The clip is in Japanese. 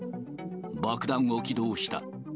爆弾を起動した。